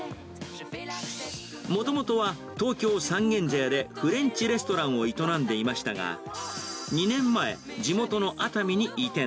もともとは、東京・三軒茶屋でフレンチレストランを営んでいましたが、２年前、地元の熱海に移転。